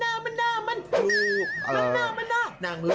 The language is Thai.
วันนี้เกี่ยวกับกองถ่ายเราจะมาอยู่กับว่าเขาเรียกว่าอะไรอ่ะนางแบบเหรอ